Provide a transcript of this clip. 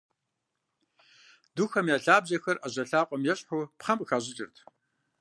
Духэм я лъабжьэхэр ӏэжьэ лъакъуэм ещхьу пхъэм къыхащӏыкӏырт.